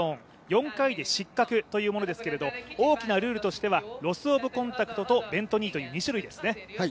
４回で失格というものですけれども大きなルールとしてはロス・オブ・コンタクトとベント・ニーという２種類ですね。